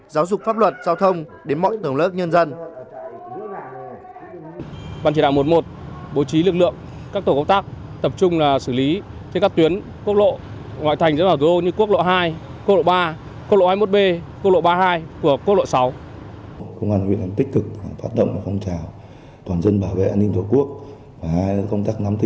giáo dục pháp luật giao thông